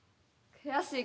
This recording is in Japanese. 悔しい？